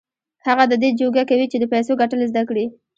هغه د دې جوګه کوي چې د پيسو ګټل زده کړي.